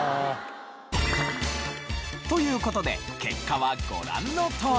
という事で結果はご覧のとおり。